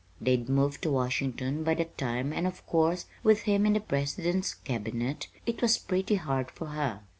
They'd moved to Washington by that time and, of course, with him in the President's Cabinet, it was pretty hard for her.